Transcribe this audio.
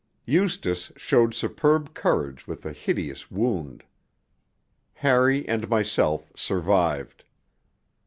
Eustace showed superb courage with a hideous wound. Harry and myself survived.